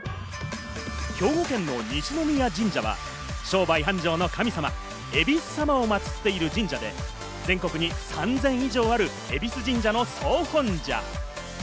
兵庫県の西宮神社は商売繁盛の神様・えびす様を祀っている神社で、全国に３０００以上あるえびす神社の総本社。